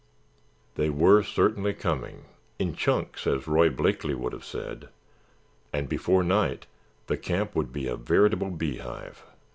They were certainly coming—"in chunks," as Roy Blakeley would have said, and before night the camp would be a veritable beehive.